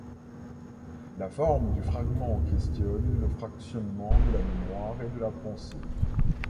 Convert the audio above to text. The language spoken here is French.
La forme du fragment questionne le fractionnement de la mémoire et de la pensée.